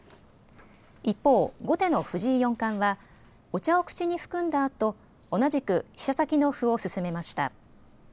一方、後手の藤井四冠はお茶を口に含んだあと同じく飛車先の歩を進めました。